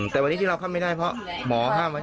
แต่วันนี้ที่เราข้ามไม่ได้เพราะหมอห้ามไว้